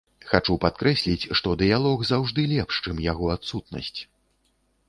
Хачу падкрэсліць, што дыялог заўжды лепш, чым яго адсутнасць.